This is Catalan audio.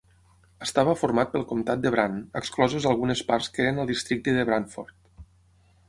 Estava format pel comtat de Brant, excloses algunes parts que eren al districte de Brantford.